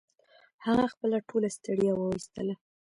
هغه خپله ټوله ستړيا و ایستله